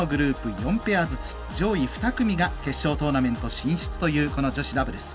４ペアずつ上位２組が決勝トーナメント進出という女子ダブルス。